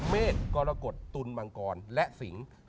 เมฆกรกฎตุลมังกรและสิง